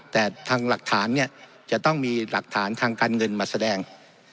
แต่ทางหลักฐานเนี่ยจะต้องมีหลักฐานทางการเงินมาแสดง